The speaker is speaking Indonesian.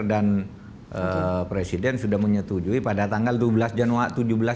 dan presiden sudah menyetujui pada tanggal dua belas januari